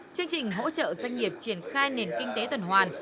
chương trình hỗ trợ doanh nghiệp triển khai nền kinh tế tuần hoàn